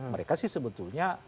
mereka sih sebetulnya